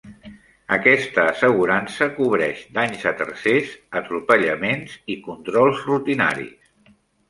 Aquesta assegurança cobreix danys a tercers, atropellaments i controls rutinaris.